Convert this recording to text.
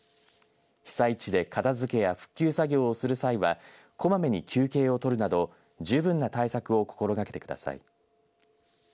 被災地で片づけや復旧作業をする際はこまめに休憩を取るなど十分な対策を心がけてください。